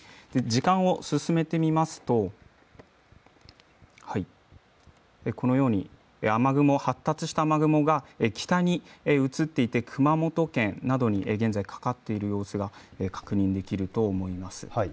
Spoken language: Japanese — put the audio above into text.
時間を進めてみますとこのように雨雲、発達した雨雲が北に移っていて熊本県などに現在かかっている様子が確認できると思います。